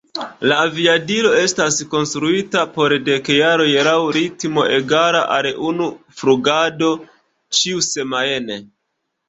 La aviadilo estas konstruita por dek jaroj laŭ ritmo egala al unu flugado ĉiusemajne.